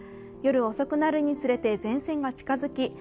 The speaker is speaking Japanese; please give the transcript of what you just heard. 夜遅くになるにつれ前線が近づき